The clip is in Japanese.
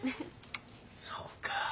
そうか。